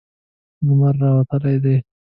لمر راوتلی ده